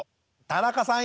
田中さん。